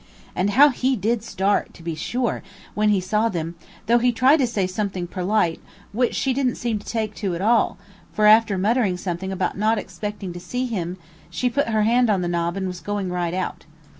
And how he did start, to be sure, when he saw them, though he tried to say something perlite which she did'nt seem to take to at all, for after muttering something about not expecting to see him, she put her hand on the knob and was going right out.